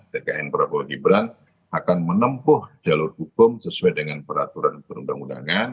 tkn prabowo gibran akan menempuh jalur hukum sesuai dengan peraturan perundang undangan